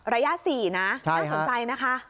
ระยะ๔นะน่าสนใจนะคะ